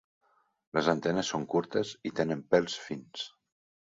Les antenes són curtes i tenen pèls fins.